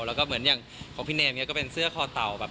แล้วก็เหมือนอย่างของพี่เนมก็เป็นเสื้อคอเต่าแบบ